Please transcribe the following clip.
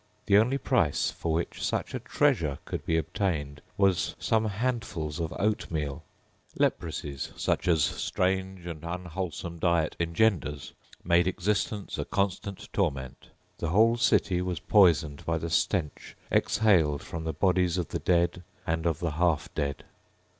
The only price for which such a treasure could be obtained was some handfuls of oatmeal. Leprosies, such as strange and unwholesome diet engenders, made existence a constant torment. The whole city was poisoned by the stench exhaled from the bodies of the dead and of the half dead.